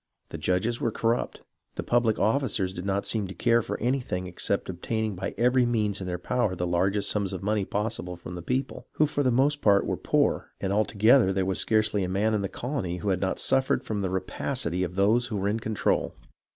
The judges were corrupt. The public officers did not seem to care for anything except obtaining by every means in their power the largest sums of money possible from the people, who for the most part were poor, and all together there was scarcely a man in the colony who had not suffered from the rapacity of those who were in control.